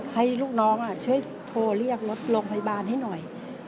ให้ลูกน้องช่วยโทรเรียกรถโรงพยาบาลให้หน่อย